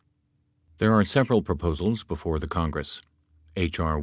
There are several proposals before the Congress — H.